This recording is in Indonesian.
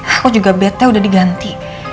aku juga bednya udah diganti